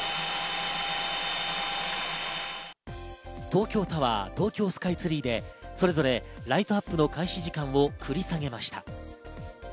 東京タワー、東京スカイツリーでそれぞれ、ライトアップの開始時間を繰り下げました。